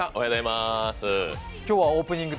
今日はオープニング